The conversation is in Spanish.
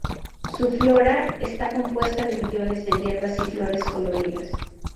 Su flora está compuesta de millones de hierbas y flores coloridas.